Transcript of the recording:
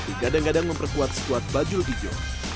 digadang gadang memperkuat squad baju hijau